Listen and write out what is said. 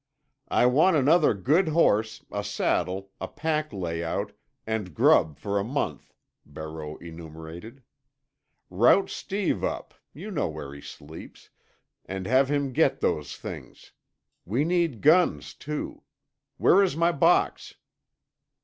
"I want another good horse, a saddle, a pack layout, and grub for a month," Barreau enumerated. "Rout Steve up—you know where he sleeps—and have him get those things. We need guns, too. Where is my box?"